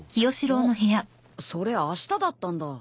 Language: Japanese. んそれあしただったんだ。